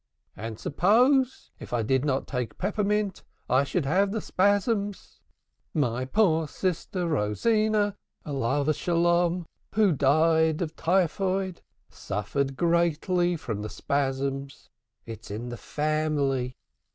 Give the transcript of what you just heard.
"And suppose? If I did not take peppermint I should have the spasms. My poor sister Rosina, peace be upon him, who died of typhoid, suffered greatly from the spasms. It's in the family.